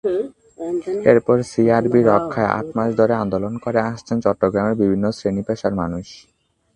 এরপর সিআরবি রক্ষায় আট মাস ধরে আন্দোলন করে আসছেন চট্টগ্রামের বিভিন্ন শ্রেণিপেশার মানুষ।